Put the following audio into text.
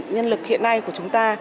nhân lực hiện nay của chúng ta